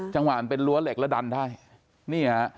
จังหวะมันเป็นระดับเป็นระดันและดันได้